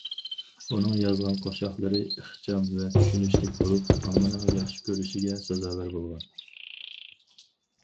ئۇنىڭ يازغان قوشاقلىرى ئىخچام ۋە چۈشىنىشلىك بولۇپ، ئاممىنىڭ ياخشى كۆرۈشىگە سازاۋەر بولغان.